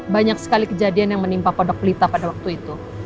banyak sekali kejadian yang menimpa pondok pelita pada waktu itu